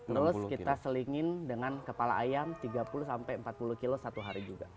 terus kita selingin dengan kepala ayam tiga puluh sampai empat puluh kilo satu hari juga